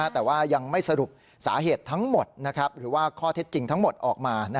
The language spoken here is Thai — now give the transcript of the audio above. แต่ว่ายังไม่สรุปสาเหตุทั้งหมดหรือว่าข้อเท็จจริงทั้งหมดออกมา